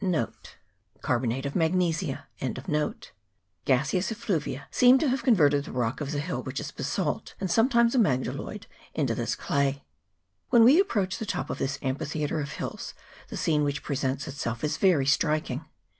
1 Gaseous effluvia seem to have con verted the rock of the hill, which is basalt, and sometimes amygdaloid, into this clay. When we approach the top of this amphitheatre of hills, the scene which presents itself is very striking.